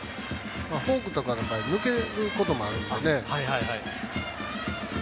フォークとかの場合抜けることもあるのでね。